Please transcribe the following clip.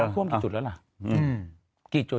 ถุงสูงขึ้น